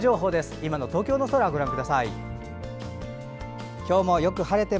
今の東京の空をご覧ください。